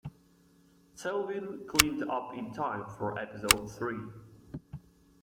Selwyn cleaned up in time for episode three.